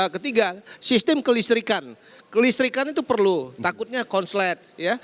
ketiga sistem kelistrikan kelistrikan itu perlu takutnya konslet